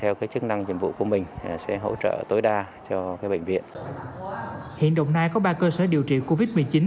hiện đồng nai có ba cơ sở điều trị covid một mươi chín